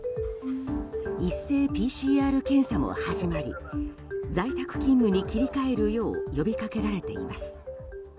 一斉ＰＣＲ検査も始まり在宅勤務に切り替えるよう呼びかけられています。